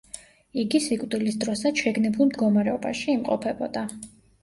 იგი სიკვდილის დროსაც შეგნებულ მდგომარეობაში იმყოფებოდა.